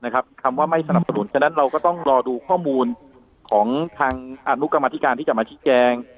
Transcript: คำว่าไม่สนับสนุนฉะนั้นเราก็ต้องรอดูข้อมูลของทางอนุกรรมธิการที่จะมาชี้แจง